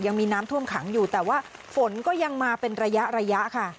ยังมีน้ำท่วมขังอยู่แต่ว่าฝนก็ยังมาเป็นระยะระยะค่ะ